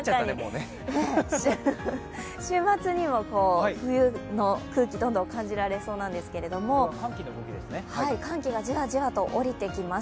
週末にも冬の空気、どんどん感じられそうなんですけれども寒気がじわじわと下りてきます。